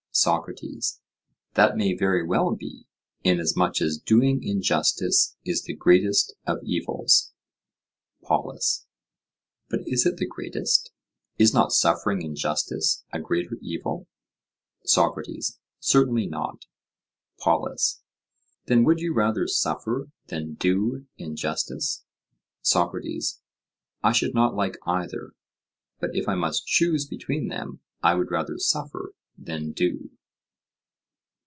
SOCRATES: That may very well be, inasmuch as doing injustice is the greatest of evils. POLUS: But is it the greatest? Is not suffering injustice a greater evil? SOCRATES: Certainly not. POLUS: Then would you rather suffer than do injustice? SOCRATES: I should not like either, but if I must choose between them, I would rather suffer than do.